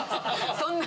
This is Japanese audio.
そんな。